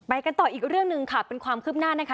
กันต่ออีกเรื่องหนึ่งค่ะเป็นความคืบหน้านะคะ